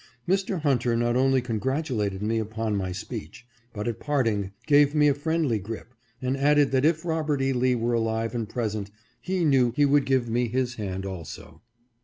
Mr. Hunter not only congratulated me upon 550 EXPECTATIONS FULFILLED. my speech, but at parting, gave me a friendly grip, and added that if Robert E. Lee were alive and present, he knew he would give me his hand also.